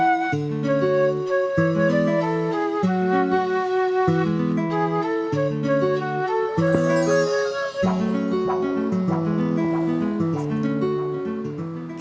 berbisa tahan ga banget tuh